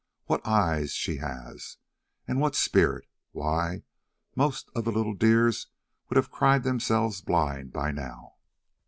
What eyes she has, and what a spirit! why, most of the little dears would have cried themselves blind by now."